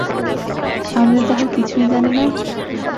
আমি তো তাহার কিছুই জানি না।